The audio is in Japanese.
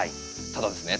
ただですね